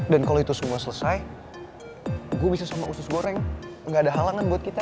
dan kalau itu semua selesai gue bisa sama usus goreng gak ada halangan buat kita